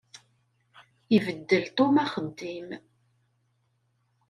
Ibeddel Tom axeddim.